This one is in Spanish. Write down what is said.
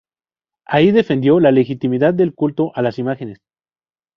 Ahí defendió la legitimidad del culto a las imágenes.